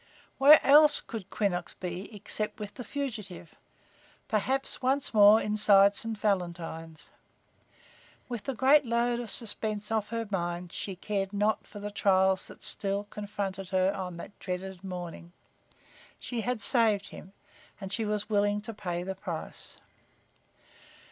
Where else could Quinnox be except with the fugitive, perhaps once more inside St. Valentine's? With the great load of suspense off her mind she cared not for the trials that still confronted her on that dreaded morning. She had saved him, and she was willing to pay the price.